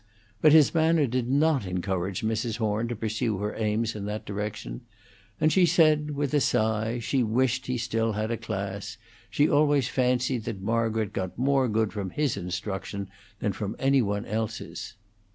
But his manner did not encourage Mrs. Horn to pursue her aims in that direction, and she said, with a sigh, she wished he still had a class; she always fancied that Margaret got more good from his instruction than from any one else's.